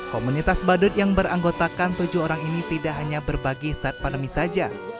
komunitas badut yang beranggotakan tujuh orang ini tidak hanya berbagi saat pandemi saja